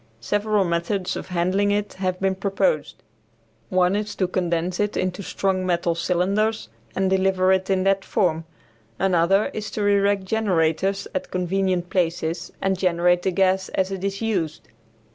Several methods of handling it have been proposed. One is to condense it into strong metal cylinders and deliver it in that form; another is to erect generators at convenient places and generate the gas as it is used.